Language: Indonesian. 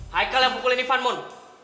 haikal yang pukulin ivan mon